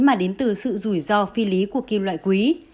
mà đến từ sự rủi ro phi lý của kim loại quý